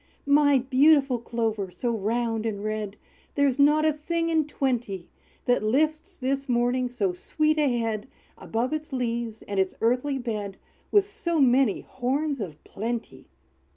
"My beautiful Clover, so round and red, There is not a thing in twenty, That lifts this morning so sweet a head Above its leaves, and its earthy bed, With so many horns of plenty!"